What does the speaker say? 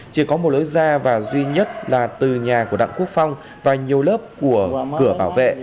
chỉ có một lối ra và duy nhất là từ nhà của đặng quốc phong và nhiều lớp của cửa bảo vệ